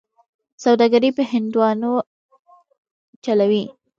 سوداګري په هندوانو چلوي.